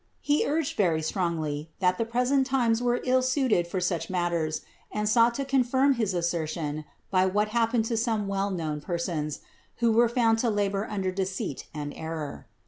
He urged very strongly, that the present times were ill suited for such matters and sought to confirm his assertion by what happened to some well known per sons, who were found to labor under deceit and error.